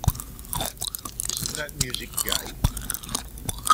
Isn't that music gay?